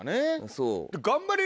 そう。